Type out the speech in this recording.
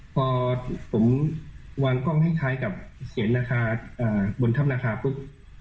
พอผมวางกล้องให้คล้ายกับเสียญบนธรรมนาคาปุ๊บ